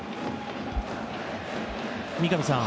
三上さん